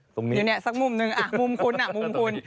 ตรงนี้อยู่เนี่ยสักมุมหนึ่งมุมคุณมุมคุณ